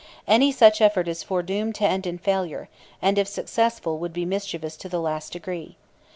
Any such effort is foredoomed to end in failure, and, if successful, would be mischievous to the last degree.